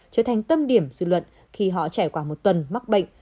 trở thành tâm điểm dư luận khi họ trải qua một tuần mắc bệnh